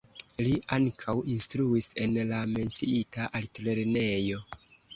Li ankaŭ instruis en la menciita altlernejo.